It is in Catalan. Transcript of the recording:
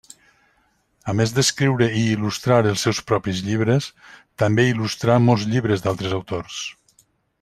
A més d'escriure i il·lustrar els seus propis llibres, també il·lustrà molts llibres d'altres autors.